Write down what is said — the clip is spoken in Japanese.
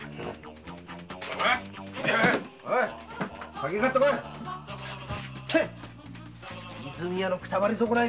酒買って来い！